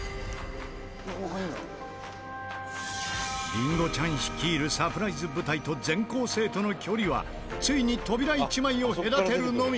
りんごちゃん率いるサプライズ部隊と全校生徒の距離はついに扉一枚を隔てるのみ！